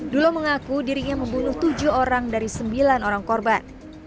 dulo mengaku dirinya membunuh tujuh orang dari sembilan orang korban